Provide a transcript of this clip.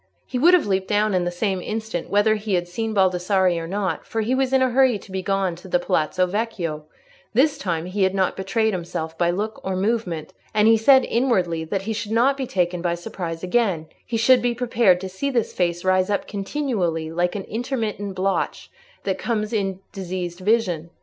He would have leaped down in the same instant, whether he had seen Baldassarre or not, for he was in a hurry to be gone to the Palazzo Vecchio: this time he had not betrayed himself by look or movement, and he said inwardly that he should not be taken by surprise again; he should be prepared to see this face rise up continually like the intermittent blotch that comes in diseased vision.